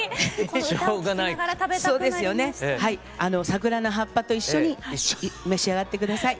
桜の葉っぱと一緒に召し上がってください。